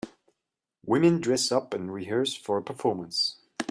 Women dress up and rehearse for a performance.